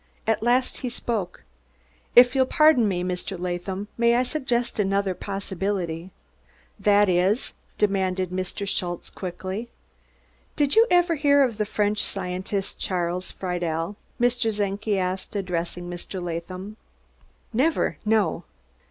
At last he spoke: "If you'll pardon me, Mr. Latham, I may suggest another possibility." "Vas iss?" demanded Mr. Schultze quickly. "Did you ever hear of the French scientist, Charles Friedel?" Mr. Czenki asked, addressing Mr. Latham. "Never, no."